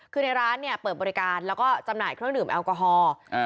คือในร้านเนี่ยเปิดบริการแล้วก็จำหน่ายเครื่องดื่มแอลกอฮอล์